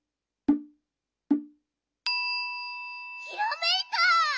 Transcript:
ひらめいた！